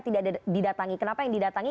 tidak didatangi kenapa yang didatangi